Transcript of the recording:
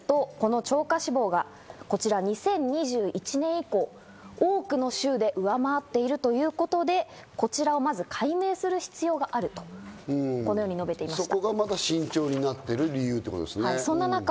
これを見ると、この超過死亡はこちら２０２１年以降、多くの週で上回っているということで、こちらをまず解明する必要があると述べていました。